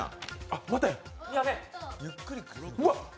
またや！